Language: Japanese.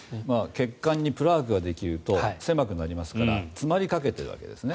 血管にプラークができると狭くなりますから詰まりかけているわけですね。